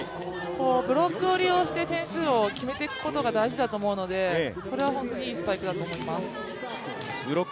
ブロックを利用して点数を決めていくことが大事だと思いますので、これは本当にいいスパイクだと思います。